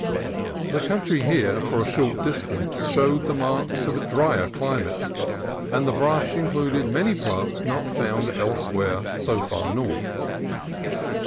The country here, for a short distance, showed the marks of a drier climate, and the brush included many plants not found elsewhere so far north.